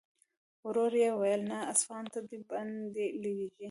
ورو يې وويل: نه! اصفهان ته دې بندې لېږي.